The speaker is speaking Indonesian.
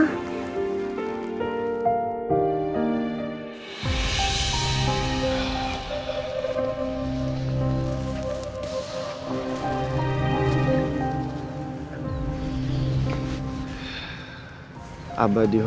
aku harus coba mau bersekoo